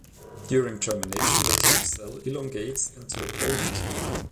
During germination, the tube cell elongates into a pollen tube.